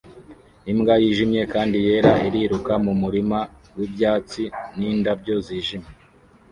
Imbwa yijimye kandi yera iriruka mu murima wibyatsi nindabyo zijimye